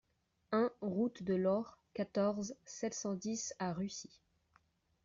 un route de l'Aure, quatorze, sept cent dix à Russy